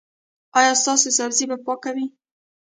ایا ستاسو سبزي به پاکه وي؟